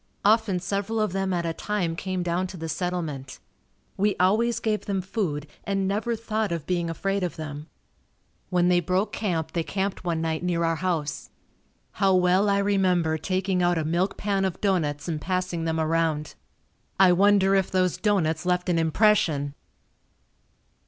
Often several of them at a time came down to the settlement. We always gave them food and never thought of being afraid of them. When they broke camp they camped one night near our house. How well I remember taking out a milk pan of doughnuts and passing them around. I wonder if those doughnuts left an impression!